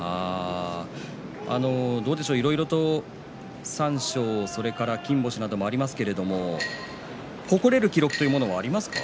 いろいろと三賞、それから金星などもありますけど誇れる記録というものはありますか？